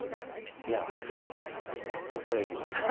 恐れ入りました。